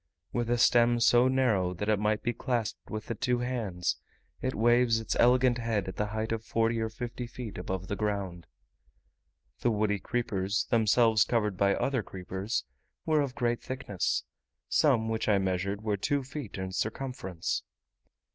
With a stem so narrow that it might be clasped with the two hands, it waves its elegant head at the height of forty or fifty feet above the ground. The woody creepers, themselves covered by other creepers, were of great thickness: some which I measured were two feet in circumference.